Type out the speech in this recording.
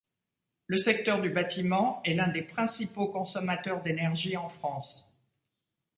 Le secteur du bâtiment est l'un des principaux consommateurs d'énergie en France.